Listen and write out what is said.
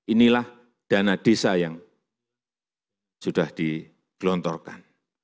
inilah dana desa yang sudah digelontorkan